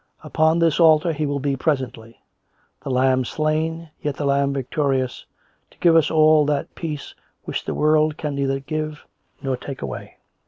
Upon this altar He will be presently, the Lamb slain yet the Lamb COME RACK! COME ROPE! 95 victorious, to give us all that peace which the world can neither give nor take away."